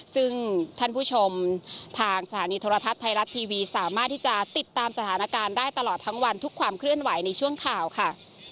ซึ่งท่านผู้ชมทางสถานีโทรทัศน์ไทยรัฐทีวีสามารถที่จะติดตามสถานการณ์ได้ตลอดทั้งวันทุกความเคลื่อนไหวในช่วงข่าวค่ะ